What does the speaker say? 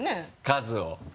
数を。